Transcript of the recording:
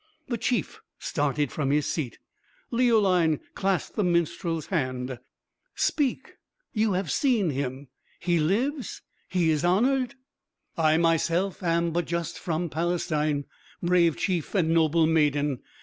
The chief started from his seat. Leoline clasped the minstrel's hand. "Speak, you have seen him he lives he is honoured?" "I myself am but just from Palestine, brave chief and noble maiden.